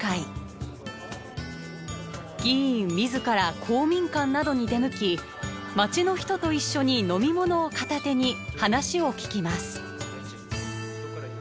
議員自ら公民館などに出向き町の人と一緒に飲み物を片手に話を聞きます。